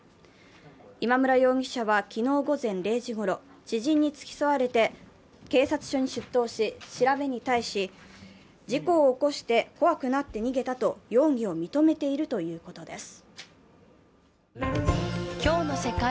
今村容疑者は昨日午前０時ごろ知人に付き添われて、警察署に出頭し、調べに対し、事故を起こして怖くなって逃げたと容疑を認めているということです。